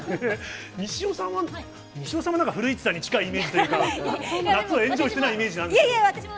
西尾さんは、なんか西尾さんも古市さんに近いイメージというか、夏をエンジョイしてないイメージがあるんですけれども。